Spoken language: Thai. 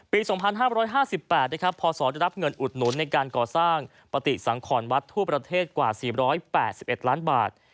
ปี๒๕๕๘พศได้รับเงินอุดหนุนในการก่อสร้างปฏิสังขรวัดทั่วประเทศกว่า๔๘๑ล้านบาท